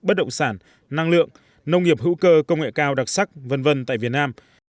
bất động sản năng lượng nông nghiệp hữu cơ công nghệ cao đặc sắc v v tại việt nam